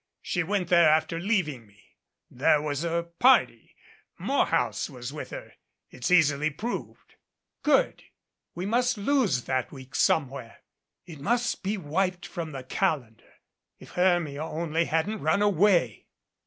She went there after leaving me. There was a party. Morehouse was with her. It's easily proved." "Good. We must lose that week somewhere. It must be wiped from the calendar. If Hermia only hadn't run away